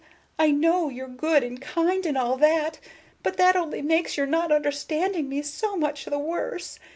I know you're good and kind and all that, but that only makes your not understanding me so much the worse.